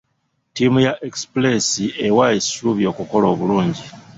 Ttiimu ya Express ewa essuubi okukola obulungi.